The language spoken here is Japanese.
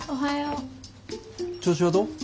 調子はどう？